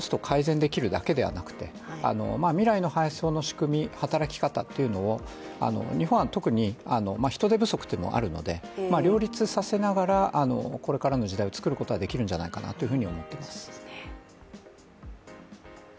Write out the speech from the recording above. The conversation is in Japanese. できるだけではなくて未来の配送の仕組み、働き方というのを日本は特に人手不足というのもあるので両立させながらこれからの時代を作ることができるんじゃないかなと思います。